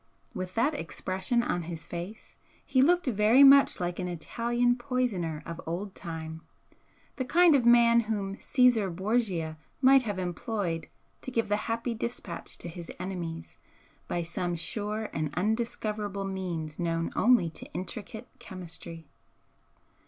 With that expression on his face he looked very much like an Italian poisoner of old time, the kind of man whom Caesar Borgia might have employed to give the happy dispatch to his enemies by some sure and undiscoverable means known only to intricate chemistry.